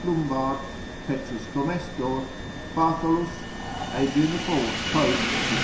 Lumbard, P. Comestor, Bartholus, Adrian the fourth Pope, &c.